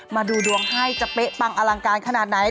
มาดูดวงให้จะเป๊ะปังอลังการขนาดไหน